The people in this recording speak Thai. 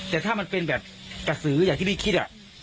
แต่ถ้ามันเป็นแบบกระสืออย่างที่พี่คิด